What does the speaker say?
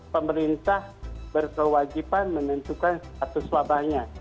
pemerintah berkewajiban menentukan sesuabahnya